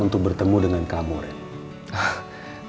untuk bertemu dengan kamu ren